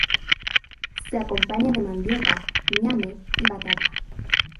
Se acompaña de mandioca, ñame y batata.